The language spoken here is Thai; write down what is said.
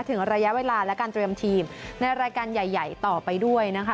ถึงระยะเวลาและการเตรียมทีมในรายการใหญ่ต่อไปด้วยนะคะ